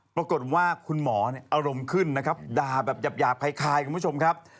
ปรากฏว่าคุณหมออารมณ์ขึ้นนะครับด่าแบบหยาบคล้ายคุณผู้ชมครับ